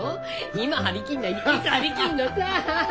今張り切んないでいつ張り切んのさ！